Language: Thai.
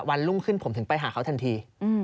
รุ่งขึ้นผมถึงไปหาเขาทันที